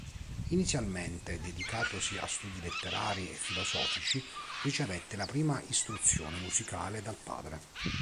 Inizialmente dedicatosi a studi letterari e filosofici, ricevette la prima istruzione musicale dal padre.